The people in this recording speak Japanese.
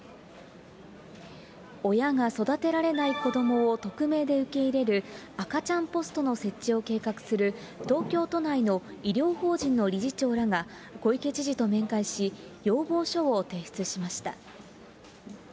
親が育てられない子どもを匿名で受け入れる赤ちゃんポストの設置を計画する、東京都内の医療法人の理事長らが、小池知事と面会し、要望書を提出しました。